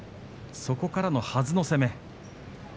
そこからのはずの攻め。